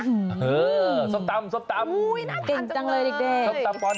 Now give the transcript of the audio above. เออส้มตำน่าเก่งจังเลยส้มตำป๑